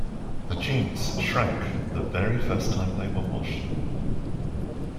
The jeans shrank the very first time they were washed.